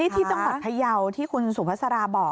ที่จังหวัดพยาวที่คุณสุภาษาราบอก